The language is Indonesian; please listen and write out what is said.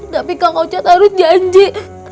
tapi kang ocat harus janji